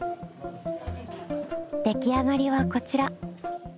出来上がりはこちら。